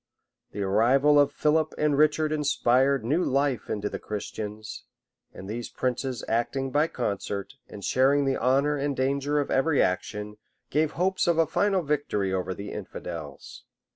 p 269, 271, 279] The arrival of Philip and Richard inspired new life into the Christians; and these princes acting by concert, and sharing the honor and danger of every action, gave hopes of a final victory over the infidels.